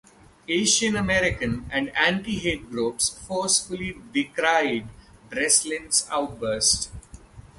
Asian American and anti-hate groups forcefully decried Breslin's outburst.